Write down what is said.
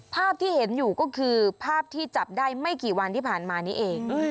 ภาพที่เห็นอยู่ก็คือภาพที่จับได้ไม่กี่วันที่ผ่านมานี้เอง